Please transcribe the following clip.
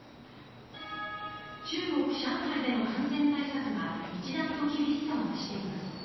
中国・上海での感染対策が一段と厳しさを増しています。